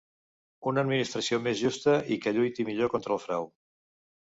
Una administració més justa i que lluiti millor contra el frau.